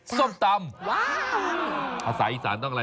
ส้มตำส้มตำประชาการสมศัตริย์จุดใหญ่เราก็ได้